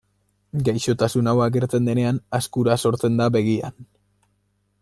Gaixotasun hau agertzen denean azkura sortzen da begian.